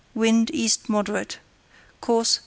Wind East moderate. Course W.